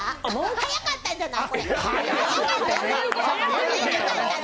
速かったんじゃない？